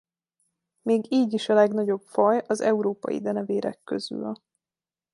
Még így is a legnagyobb faj az európai denevérek közül.